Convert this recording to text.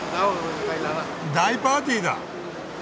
大パーティーだ。